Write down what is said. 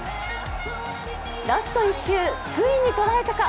ラスト１周、ついにとらえたか？